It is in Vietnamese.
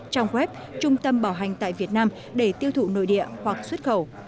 trong web trung tâm bảo hành tại việt nam để tiêu thụ nội địa hoặc xuất khẩu